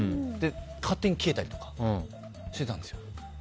勝手に消えたりとかしてたんですよ。